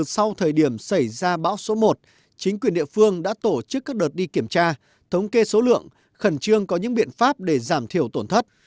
sau thời điểm xảy ra bão số một chính quyền địa phương đã tổ chức các đợt đi kiểm tra thống kê số lượng khẩn trương có những biện pháp để giảm thiểu tổn thất